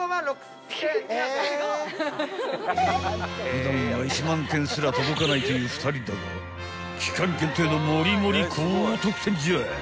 ［普段は１万点すら届かないという２人だが期間限定のモリモリ高得点じゃい］